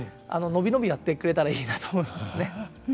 伸び伸びやってくれたらいいなと思いますね。